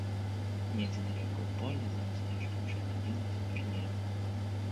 Недзе далёка ў полі за мястэчкам чырванела цяпер неба.